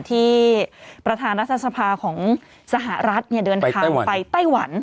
ที่ประธานรัฐสภาของสหรัฐเดินทางไปไต้หวัน